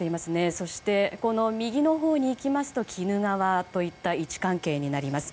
そして、右のほうに行きますと鬼怒川といった位置関係になります。